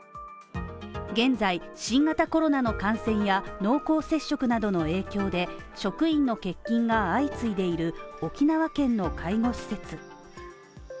現在、新型コロナの感染や濃厚接触などの影響で、職員の欠勤が相次いでいる沖縄県の介護施設。